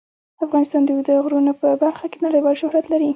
افغانستان د اوږده غرونه په برخه کې نړیوال شهرت لري.